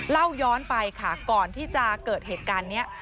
เล่าย้อนไปค่ะก่อนที่จะเกิดเหตุการณ์นี้